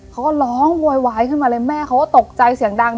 เขาก็ร้องโวยวายขึ้นมาเลยแม่เขาก็ตกใจเสียงดัง